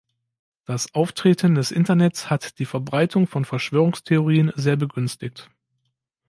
Das Auftreten des Internets hat die Verbreitung von Verschwörungstheorien sehr begünstigt.